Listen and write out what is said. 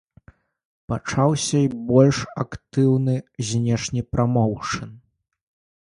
Пачаўся і больш актыўны знешні прамоўшн.